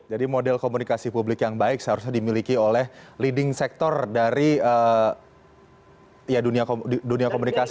jadi model komunikasi publik yang baik seharusnya dimiliki oleh leading sektor dari dunia komunikasi